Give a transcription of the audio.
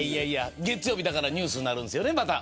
月曜日に、だからまたニュースになるんですよね。